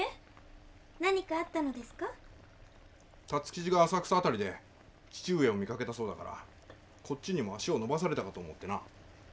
辰吉が浅草辺りで義父上を見かけたそうだからこっちにも足を伸ばされたかと思ってな。